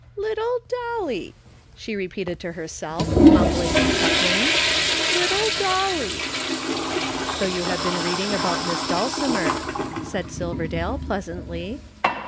"Little Dolly!" she repeated to herself, mumbling and chuckling. "Little Dolly." "So you have been reading about Miss Dulcimer!" said Silverdale pleasantly.